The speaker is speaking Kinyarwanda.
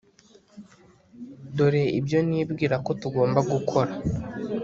dore ibyo nibwira ko tugomba gukora